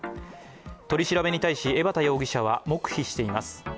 取り調べに対し江畑容疑者は黙秘しています。